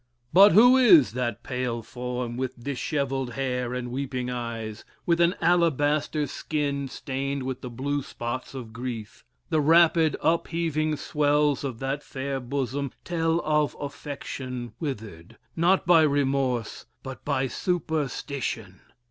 But who is that pale form, with dishevelled hair and weeping eyes, with an alabaster skin stained with the blue spots of grief? The rapid upheaving swells of that fair bosom tell of affection withered, not by remorse, but by superstition?